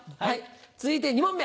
続いて２問目。